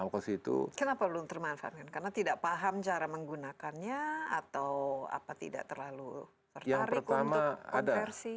kenapa belum termanfaatkan karena tidak paham cara menggunakannya atau apa tidak terlalu tertarik untuk konversi